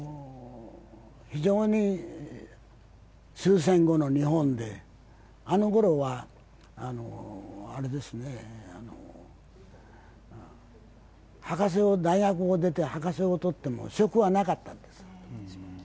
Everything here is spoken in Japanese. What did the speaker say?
終戦後の日本で、あのころは大学を出て博士号を取っても職はなかったんですよ。